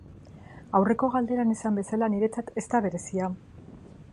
Aurreko galderan esan bezala, niretzat ez da berezia.